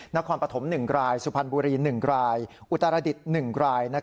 นครปฐม๑รายสุพรรณบุรี๑รายอุตรดิษฐ์๑ราย